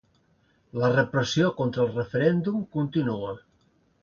La repressió contra el referèndum continua.